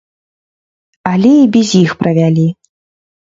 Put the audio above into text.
Але і без іх правялі.